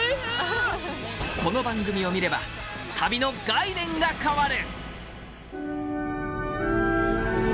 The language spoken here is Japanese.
この番組を見れば旅の概念が変わる！